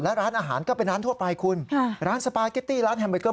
และร้านอาหารก็เป็นร้านทั่วไปคุณค่ะร้านสปาเกตตี้ร้านแฮมเบอร์เกอร์